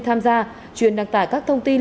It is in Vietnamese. tham gia chuyên đăng tải các thông tin